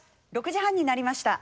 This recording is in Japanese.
６時半になりました。